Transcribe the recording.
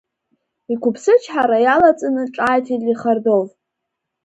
Иқәыԥсычҳара иалаҵаны ҿааиҭит Лихардов.